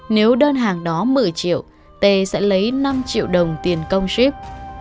nếu đơn hàng đó một mươi triệu tê sẽ lấy năm triệu đồng tiền công ship